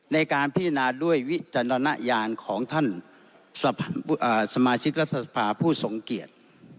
ในการพิจารณาด้วยวิจารณญาณของท่านสมาชิกรัฐสภาผู้ทรงเกียจ